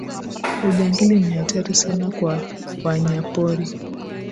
ujangili ni hatari sana kwa wanyapori